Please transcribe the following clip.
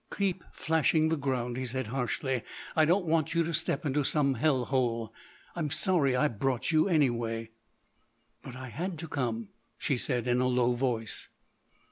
"Keep flashing the ground," he said harshly. "I don't want you to step into some hell hole. I'm sorry I brought you, anyway." "But I had to come," she said in a low voice.